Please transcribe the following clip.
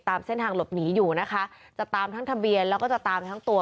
ตามเส้นทางหลบหนีอยู่นะคะจะตามทั้งทะเบียนแล้วก็จะตามไปทั้งตัว